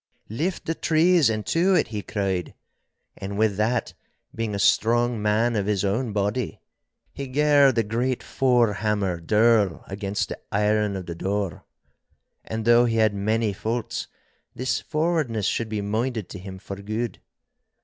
'Lift the trees and to it!' he cried, and with that, being a strong man of his own body, he garred a great fore hammer dirl against the iron of the door. And though he had many faults, this forwardness should be minded to him for good.